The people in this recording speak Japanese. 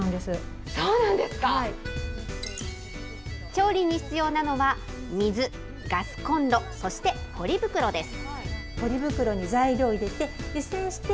調理に必要なのは、水、ガスこんろ、そしてポリ袋です。